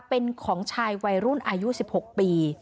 เป็นของชายวัยรุ่นอายุ๑๖ปี